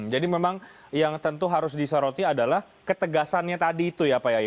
memang yang tentu harus disoroti adalah ketegasannya tadi itu ya pak yai